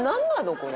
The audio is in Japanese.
これ。